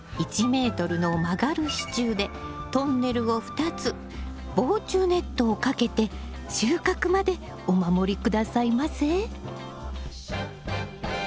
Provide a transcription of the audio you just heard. １ｍの曲がる支柱でトンネルを２つ防虫ネットをかけて収穫までお守り下さいませ。